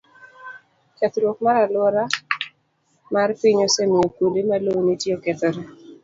Kethruok mar alwora mar piny osemiyo kuonde ma lowo nitie okethore.